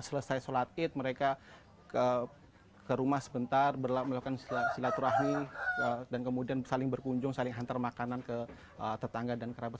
selesai sholat id mereka ke rumah sebentar melakukan silaturahmi dan kemudian saling berkunjung saling hantar makanan ke tetangga dan kerabat